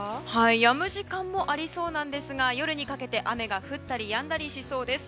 やむ時間もありそうなんですが夜にかけて雨が降ったりやんだりしそうです。